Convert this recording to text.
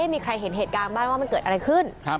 มีใครเห็นเหตุการณ์บ้างว่ามันเกิดอะไรขึ้น